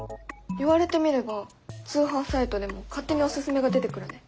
言われてみれば通販サイトでも勝手におススメが出てくるね。